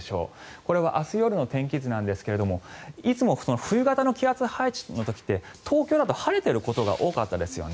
これは明日夜の天気図ですがいつも冬型の気圧配置の時って東京だと晴れてることが多かったですよね。